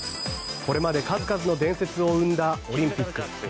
これまで数々の伝説を生んだオリンピック。